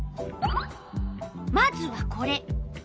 まずはこれ。